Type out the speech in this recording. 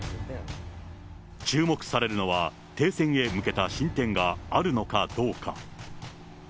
注目されるのは、停戦へ向けた進展があるのかどうか。